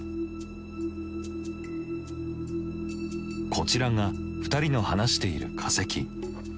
こちらが２人の話している化石。